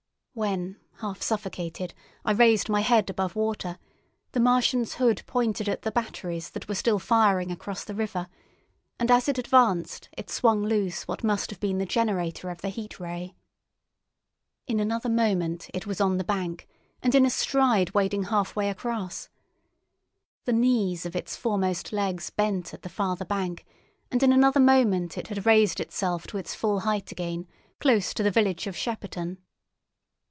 When, half suffocated, I raised my head above water, the Martian's hood pointed at the batteries that were still firing across the river, and as it advanced it swung loose what must have been the generator of the Heat Ray. In another moment it was on the bank, and in a stride wading halfway across. The knees of its foremost legs bent at the farther bank, and in another moment it had raised itself to its full height again, close to the village of Shepperton.